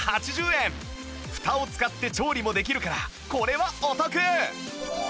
フタを使って調理もできるからこれはお得